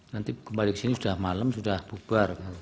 nanti kembali ke sini sudah malam sudah bubar